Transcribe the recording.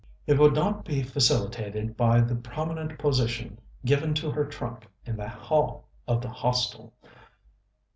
It would not be facilitated by the prominent position given to her trunk in the hall of the Hostel.